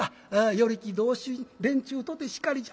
与力同心連中とてしかりじゃ。